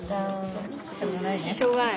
しょうがないね。